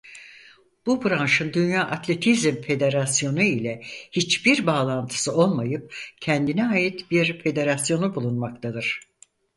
Bu branşın dünya atletizm federasyonu ile hiçbir bağlantısı olmayıp kendine ait bir federasyonu bulunmaktadır.